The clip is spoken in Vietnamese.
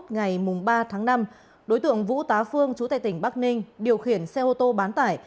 ngày ba tháng năm đối tượng vũ tá phương chú tại tỉnh bắc ninh điều khiển xe ô tô bán tải